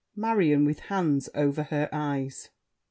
MARION (with hands over her eyes).